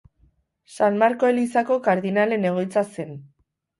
San Marko elizako kardinalen egoitza zen.